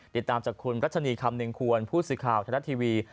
ติดตามจากคุณรัชนีคำหนึ่งควรผู้สื่อข่าวธนัดทีวี